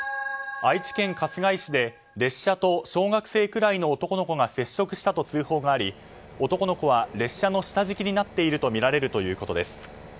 愛知県春日井市で列車と小学生くらいの男の子が接触したと通報があり、男の子は列車の下敷きになっているとみられるということです。